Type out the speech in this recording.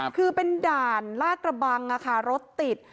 คือเป็นด่านลาดกระบังรถติด